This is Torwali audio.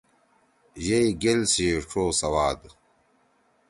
یئی گیل سی ڇو سواد۔